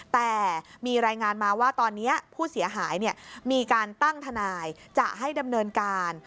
แต่มีรายงานมาว่าตอนนี้ผู้เสียหายมีการตั้งทนายจะให้ดำเนินการ